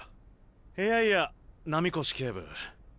いやいや波越警部。